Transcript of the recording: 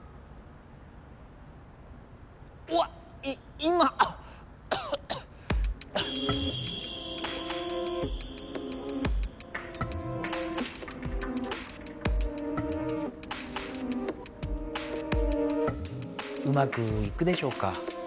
今⁉うまくいくでしょうか？